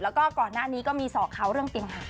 แล้วก็ก่อนหน้านี้ก็มีสอกเขาเรื่องเตียงหัก